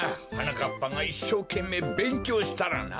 かっぱがいっしょうけんめいべんきょうしたらな。